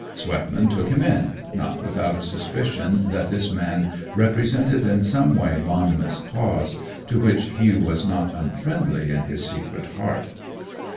Swetman took him in, not without a suspicion that this man represented in some way Monmouth's cause, to which he was not unfriendly in his secret heart.